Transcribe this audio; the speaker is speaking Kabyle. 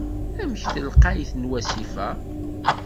Amek telqayt n wasif-a?